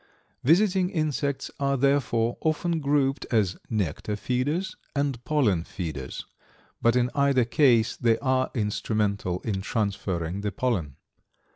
Visiting insects are therefore often grouped as nectar feeders, and pollen feeders, but in either case they are instrumental in transferring the pollen.